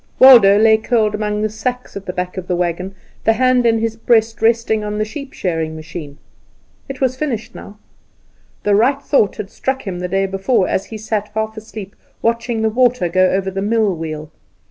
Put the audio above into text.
Waldo laid curled among the sacks at the back of the wagon, the hand in his breast resting on the sheep shearing machine. It was finished now. The right thought had struck him the day before as he sat, half asleep, watching the water go over the mill wheel.